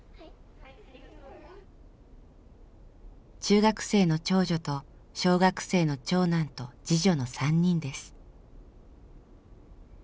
中学生の長女と小学生の長男と次女の３人です。